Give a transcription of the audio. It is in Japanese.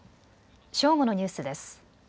正午のニュースです。